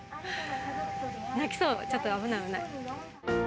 泣きそう、ちょっと、危ない、危ない。